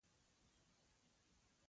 تر درې سوو زیات فلسطینیان شهیدان شول.